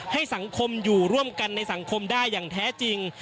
ให้สังคมอยู่ร่วมกันในสังคมได้อย่างแท้จริง